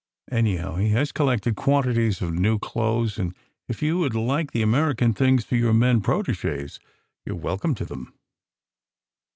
Anyhow, he has collected quantities of new clothes, and if you would like the Ameri can things for your men proteges, you re welcome to them."